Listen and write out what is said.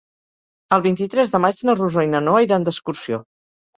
El vint-i-tres de maig na Rosó i na Noa iran d'excursió.